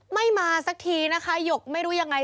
ไม่มาสักทีนะคะหยกไม่รู้ยังไง